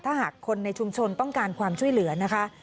ถ้าหากคนในชุมชนต้องการความช่วยเหลือนะคะ